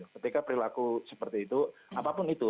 ketika perilaku seperti itu apapun itu